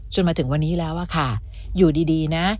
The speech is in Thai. จนถึงวันนี้แล้วอะค่ะอยู่ดีนะ